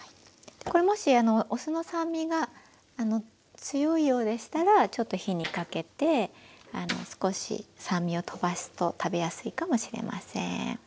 これもしお酢の酸味が強いようでしたらちょっと火にかけて少し酸味をとばすと食べやすいかもしれません。